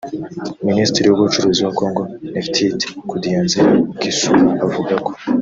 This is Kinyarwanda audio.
Minisitiri w’ubucuruzi wa Congo Nefertiti Kudianzila Kisula avuga ko